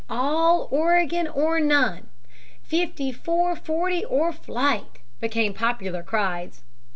"All Oregon or none," "Fifty four forty or fight," became popular cries.